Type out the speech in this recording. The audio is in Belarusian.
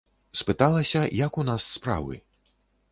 Спыталася, як у нас справы.